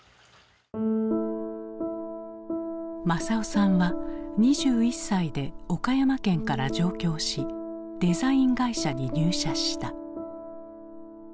政男さんは２１歳で岡山県から上京しデザイン会社に入社した。